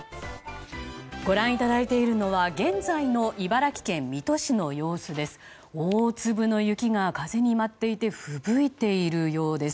ご覧いただいているのは現在の茨城県水戸市の様子です。